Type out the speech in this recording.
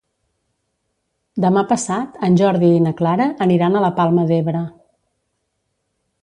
Demà passat en Jordi i na Clara aniran a la Palma d'Ebre.